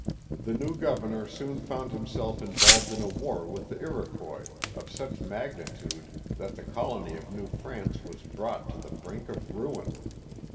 The new Governor soon found himself involved in a war with the Iro quois of such magnitude that the colony of New France was brought to the brink of ruin.